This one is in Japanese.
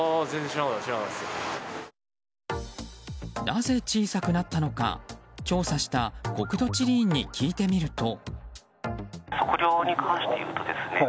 なぜ小さくなったのか調査した国土地理院に聞いてみると。